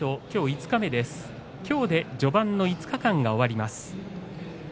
きょうで序盤の５日間が終わります。